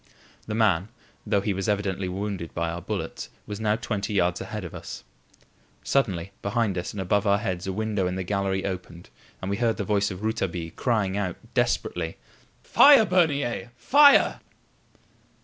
The man, though he was evidently wounded by our bullets, was now twenty yards ahead of us. Suddenly, behind us, and above our heads, a window in the gallery opened and we heard the voice of Rouletabille crying out desperately: "Fire, Bernier! Fire!"